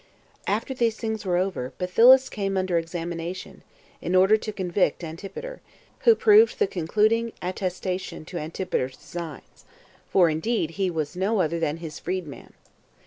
1. After these things were over, Bathyllus came under examination, in order to convict Antipater, who proved the concluding attestation to Antipater's designs; for indeed he was no other than his freed man.